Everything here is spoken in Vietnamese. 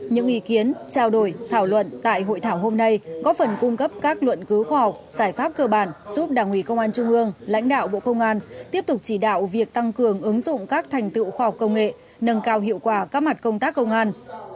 những ý kiến trao đổi thảo luận tại hội thảo hôm nay có phần cung cấp các luận cứu khoa học giải pháp cơ bản giúp đảng ủy công an trung ương lãnh đạo bộ công an tiếp tục chỉ đạo việc tăng cường ứng dụng các thành tựu khoa học công nghệ nâng cao hiệu quả các mặt công tác công an